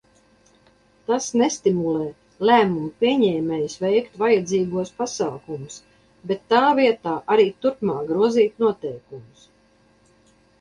Tas nestimulē lēmumpieņēmējus veikt vajadzīgos pasākumus, bet tā vietā arī turpmāk grozīt noteikumus.